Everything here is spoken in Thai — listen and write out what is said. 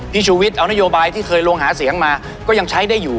ชูวิทย์เอานโยบายที่เคยลงหาเสียงมาก็ยังใช้ได้อยู่